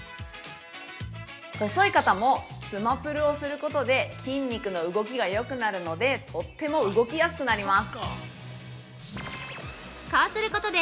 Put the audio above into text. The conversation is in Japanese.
◆細い方も、つまぷるをすることで筋肉の動きがよくなるのでとっても動きやすくなります。